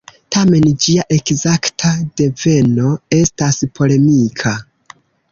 Tamen ĝia ekzakta deveno estas polemika.